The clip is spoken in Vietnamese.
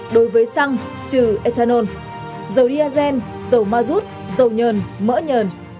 đối với xăng trừ ethanol dầu diazen dầu ma rút dầu nhờn mỡ nhờn